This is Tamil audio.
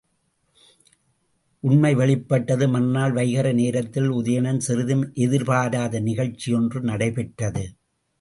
உண்மை வெளிப்பட்டது மறுநாள் வைகறை நேரத்தில் உதயணன் சிறிதும் எதிர்பாராத நிகழ்ச்சி ஒன்று நடைபெற்றது.